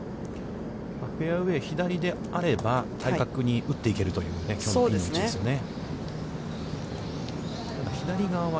フェアウェイ左であれば、対角に打っていけるというきょうのピン位置ですね。